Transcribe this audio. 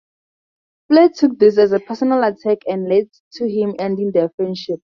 Flair took this as a personal attack and lead to him ending their friendship.